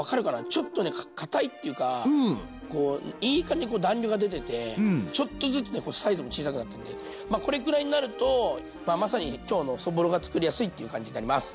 ちょっとねかたいっていうかいい感じに弾力が出ててちょっとずつこうサイズも小さくなってるんでこれくらいになるとまあまさに今日のそぼろが作りやすいっていう感じになります。